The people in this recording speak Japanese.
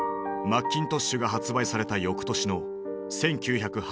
マッキントッシュが発売された翌年の１９８５年。